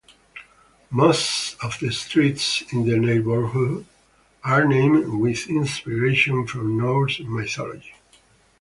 Most of the streets in the neighbourhood are named with inspiration from Norse mythology.